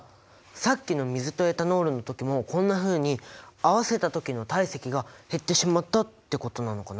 さっきの水とエタノールの時もこんなふうに合わせた時の体積が減ってしまったってことなのかな？